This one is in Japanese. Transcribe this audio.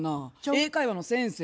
英会話の先生。